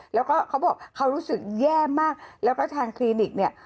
แล้วก็เขาบอกเขารู้สึกแย่มากแล้วก็ทางคลินิกเนี่ย